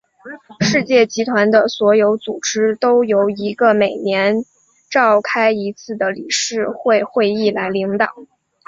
世界银行集团的所有组织都由一个每年召开一次的理事会会议来领导。